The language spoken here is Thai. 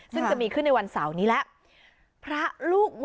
ซึ่งจะมีขึ้นในวันเสาร์นี้แล้ว